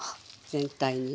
全体にね。